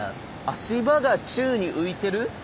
足場が宙に浮いてる？